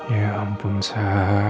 ya ampun sa